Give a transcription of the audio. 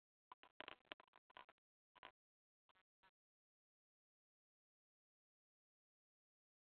Games and sports of the university are anintegral part of academic achievements.